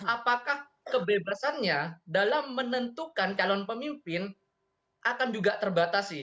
apakah kebebasannya dalam menentukan calon pemimpin akan juga terbatasi